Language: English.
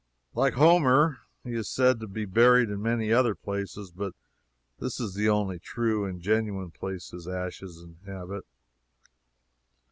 Like Homer, he is said to be buried in many other places, but this is the only true and genuine place his ashes inhabit.